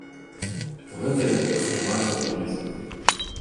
Гэта як экстрэмальны турызм.